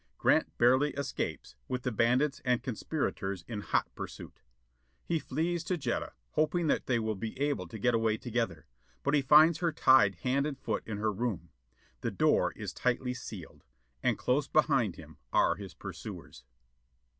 Grant barely escapes, with the bandits and conspirators in hot pursuit. He flees to Jetta, hoping that they will be able to get away together: but he finds her tied hand and foot in her room. The door is tightly sealed. And close behind him are his pursuers!